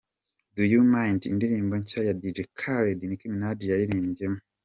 Do You Mind, indirimbo nshya ya Dj Khaled Nicki Minaj yaririmbyemo.